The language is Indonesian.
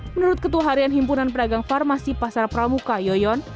menurut ketua harian himpunan pedagang farmasi pasar pramuka yoyon